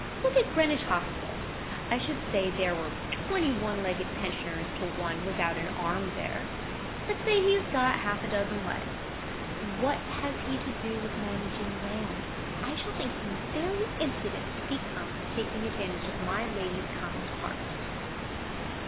Look at Greenwich Hospital! I should say there were twenty one legged pensioners to one without an arm there. But say he has got half a dozen legs: what has he to do with managing land? I shall think him very impudent if he comes, taking advantage of my lady's kind heart."